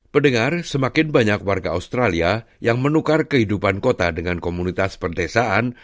pendengar semakin banyak warga australia yang menukar kehidupan kota dengan komunitas perdesaan